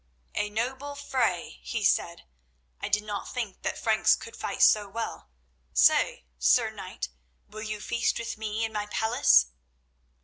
"A noble fray," he said. "I did not think that Franks could fight so well; Say, Sir Knight, will you feast with me in my palace?"